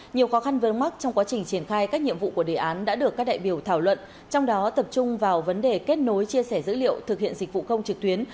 nhiều khó khăn vớn mắc trong quá trình triển khai các nhiệm vụ của đề án đã được các đại biểu thảo luận trong đó tập trung vào vấn đề kết nối chia sẻ dữ liệu thực hiện dịch vụ công trực tuyến